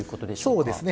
そうですね。